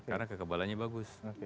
karena kekebalannya bagus